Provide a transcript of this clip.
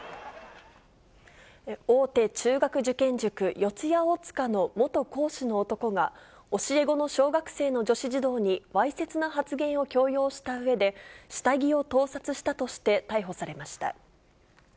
大手中学受験塾、四谷大塚の元講師の男が、教え子の小学生の女子児童にわいせつな発言を強要したうえで、下着を盗撮したとして逮捕されました。